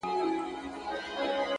زما مور’ دنيا هېره ده’